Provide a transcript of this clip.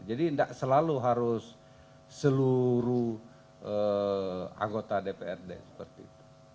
jadi enggak selalu harus seluruh anggota dprd seperti itu